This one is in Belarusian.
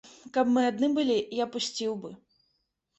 Каб мы адны былі, я пусціў бы.